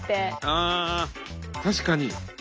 ああ確かに。